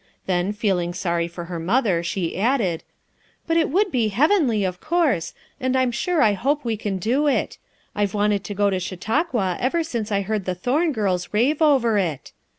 Then, feeling sorry for her mother she added : "But it would be heavenly, of course, and I'm sure I hope we can do it. I've wanted to go to Chautauqua ever since I heard the Thorn girls rave over it.